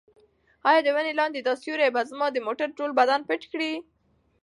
ایا د ونې لاندې دا سیوری به زما د موټر ټول بدن پټ کړي؟